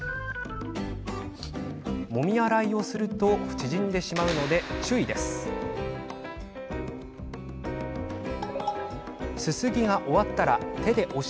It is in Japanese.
もみ洗いをすると縮んでしまうので注意してください。